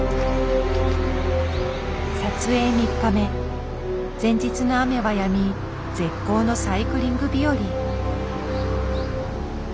撮影３日目前日の雨はやみ絶好のサイクリング日和。